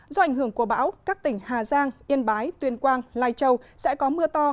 do ảnh hưởng của bão các tỉnh hà giang yên bái tuyên quang lai châu sẽ có mưa to